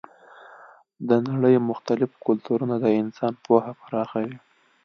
د نړۍ مختلف کلتورونه د انسان پوهه پراخوي.